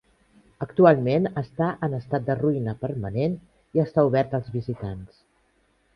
Actualment està en estat de ruïna permanent i està obert als visitants.